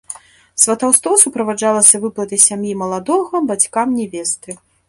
Сватаўство суправаджалася выплатай сям'і маладога бацькам нявесты.